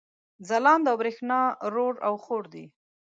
ځلاند او برېښنا رور او حور دي